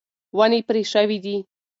ونې پرې شوې دي.